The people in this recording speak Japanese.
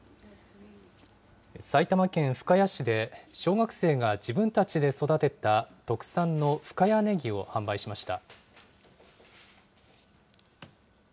埼玉県深谷市で、小学生が自分たちで育てた特産の深谷ねぎを販売しました。